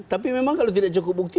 tapi memang kalau tidak cukup bukti